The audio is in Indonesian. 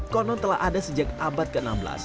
konon telah ada sejak abad ke enam belas